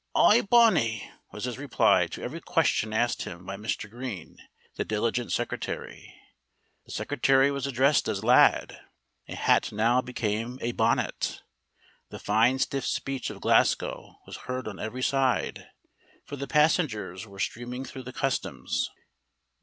"Aye, bonny!" was his reply to every question asked him by Mr. Green, the diligent secretary. The secretary was addressed as "lad." A hat now became a "bonnet." The fine stiff speech of Glasgow was heard on every side, for the passengers were streaming through the customs.